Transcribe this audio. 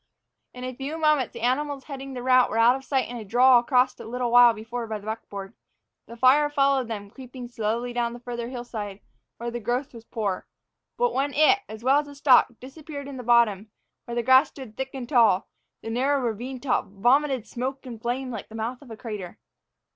In a few moments the animals heading the rout were out of sight in the draw crossed a little while before by the buckboard. The fire followed them, creeping slowly down the farther hillside, where the growth was poor; but when it, as well as the stock, disappeared in the bottom, where the grass stood thick and tall, the narrow ravine top vomited smoke and flame like the mouth of a crater.